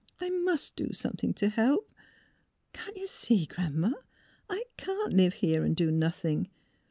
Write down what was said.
^' I must do something to help. Can't you see. Gran 'ma, I — I — can't live here and do nothing.